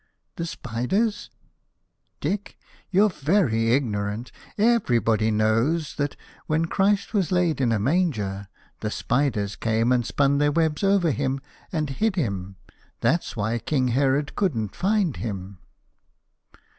"The spiders?" "Dick, you're very ig norant. Everybody knows that, when Christ was laid in a manger, the spiders came and spun their webs over Him and hid Him. That's why King Herod couldn't find Him."